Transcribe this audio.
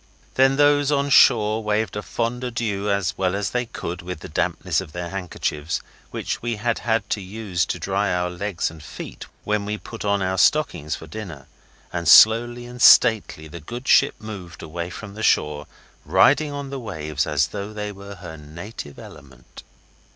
Then those on shore waved a fond adieu as well as they could with the dampness of their handkerchiefs, which we had had to use to dry our legs and feet when we put on our stockings for dinner, and slowly and stately the good ship moved away from shore, riding on the waves as though they were her native element.